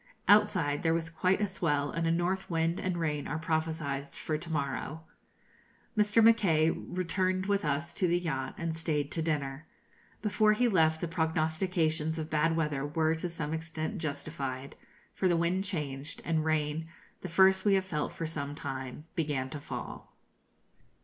Outside there was quite a swell, and a north wind and rain are prophesied for to morrow. Mr. Mackay returned with us to the yacht, and stayed to dinner. Before he left, the prognostications of bad weather were to some extent justified; for the wind changed, and rain, the first we have felt for some time, began to fall.